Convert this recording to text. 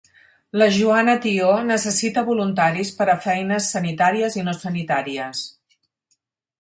La Joana Tió necessita voluntaris per a feines sanitàries i no sanitàries.